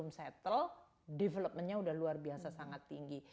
karena belum settle developmentnya udah luar biasa sangat tinggi